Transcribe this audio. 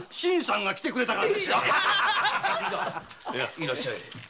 いらっしゃい。